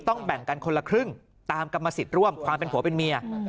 แบ่งกันคนละครึ่งตามกรรมสิทธิ์ร่วมความเป็นผัวเป็นเมีย